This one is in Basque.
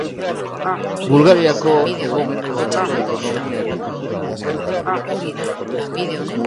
Bulgariako hego-mendebaldeko ekonomia- eta kultura-gunea da.